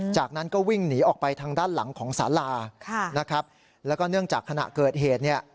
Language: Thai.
จากนั้นก็วิ่งหนีออกไปทางด้านหลังของสาราค่ะนะครับแล้วก็เนื่องจากขณะเกิดเหตุเนี่ย